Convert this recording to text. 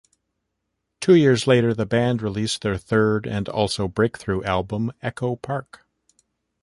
Two years later, the band released their third and also breakthrough album, "Echo Park".